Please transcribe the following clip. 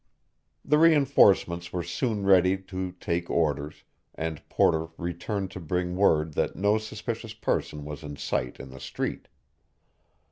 The reinforcements were soon ready to take orders, and Porter returned to bring word that no suspicious person was in sight in the street.